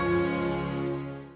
jatuh sudah lah